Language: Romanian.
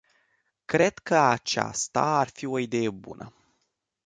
Cred că aceasta ar fi o idee bună.